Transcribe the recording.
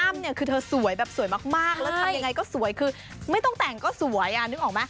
แต่คุณอ้ำเนี่ยคือเธอสวยแบบสวยมากแล้วทำยังไงก็สวยคือไม่ต้องแต่งก็สวยอ่ะนึกออกมั้ย